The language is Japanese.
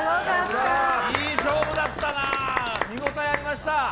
いい勝負だったな、見応えありました。